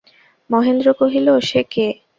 মহেন্দ্র কহিল, সে কে।